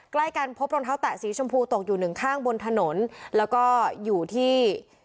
ใกล้กันพบรองเท้าแตะสีชมพูตกอยู่หนึ่งข้างบนถนนแล้วก็อยู่ที่